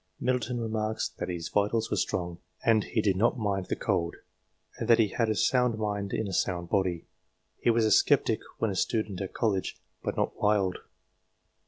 Middleton remarks that his vitals were strong, that he did not mind the cold, and that he had a sound mind in a sound body. He was a sceptic when a student at college, but not wild.